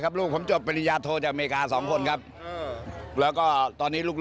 คนจะบอกตลกหายหน้าไปตก